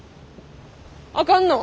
あかんの？